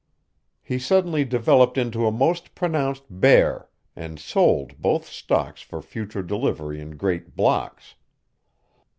He suddenly developed into a most pronounced "bear," and sold both stocks for future delivery in great blocks.